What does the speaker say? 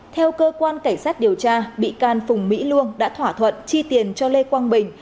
theo cơ quan cảnh sát điều tra bị can phùng mỹ luông đã thỏa thuận chi tiền cho lê quang bình